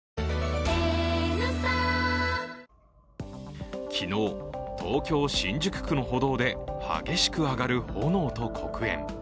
果たして、原因は昨日、東京・新宿区の歩道で激しく上がる炎と黒煙。